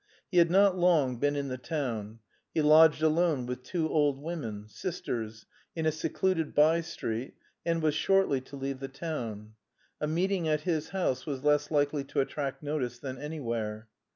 He had not long been in the town; he lodged alone with two old women, sisters, in a secluded by street and was shortly to leave the town; a meeting at his house was less likely to attract notice than anywhere.